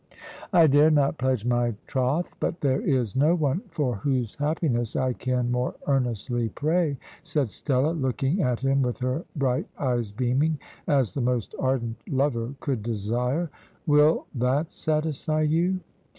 "I dare not pledge my troth, but there is no one for whose happiness I can more earnestly pray," said Stella, looking at him with her bright eyes beaming as the most ardent lover could desire. Will that satisfy you?